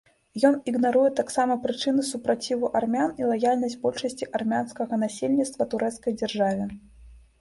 Ён ігнаруе таксама прычыны супраціву армян і лаяльнасць большасці армянскага насельніцтва турэцкай дзяржаве.